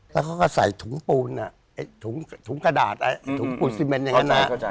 แล้วเขาก็ใส่ถุงปูนถุงกระดาษถุงปูนซีเมนอย่างนั้นนะ